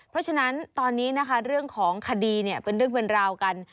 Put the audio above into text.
เพราะฉะนั้นตอนนี้นะคะเรื่องของคดีเนี่ยเป็นเรื่องเป็นราวกัน